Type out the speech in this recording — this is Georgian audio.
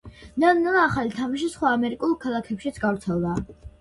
ნელ-ნელა ახალი თამაში სხვა ამერიკულ ქალაქებშიც გავრცელდა.